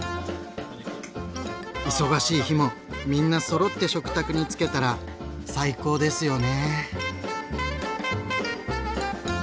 忙しい日もみんなそろって食卓につけたら最高ですよね。